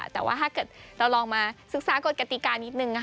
แต่ว่าถ้าเกิดเราลองมาศึกษากฎกติกานิดนึง